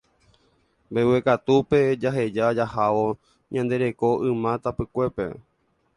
mbeguekatúpe jaheja jahávo ñande reko yma tapykuépe